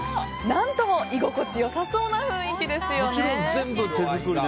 何とも居心地良さそうな雰囲気ですよね。